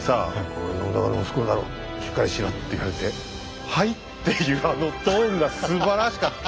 「おい信長の息子だろしっかりしろ」って言われて「はい」って言うあのトーンがすばらしかった。